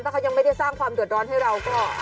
ถ้าเขายังไม่ได้สร้างความเดือดร้อนให้เราก็